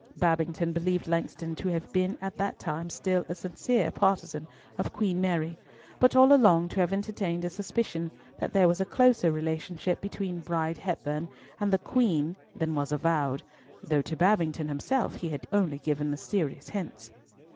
Babington believed Langston to have been at that time still a sincere partizan of Queen Mary, but all along to have entertained a suspicion that there was a closer relationship between Bride Hepburn and the Queen than was avowed, though to Babington himself he had only given mysterious hints.